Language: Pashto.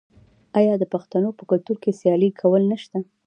آیا د پښتنو په کلتور کې سیالي کول نشته؟